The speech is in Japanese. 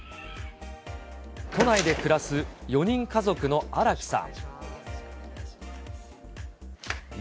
都内で暮らす、４人家族の荒木さん。